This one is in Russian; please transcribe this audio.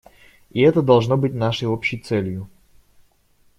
И это должно быть нашей общей целью.